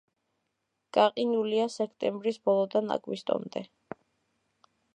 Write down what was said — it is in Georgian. გაყინულია სექტემბრის ბოლოდან აგვისტომდე.